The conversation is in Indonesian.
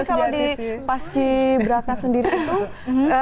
tapi kalau di paski braka sendiri tuh